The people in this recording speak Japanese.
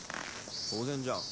当然じゃん。